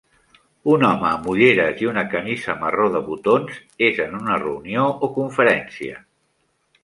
Un home amb ulleres i una camisa marró de botons és en una reunió o conferència.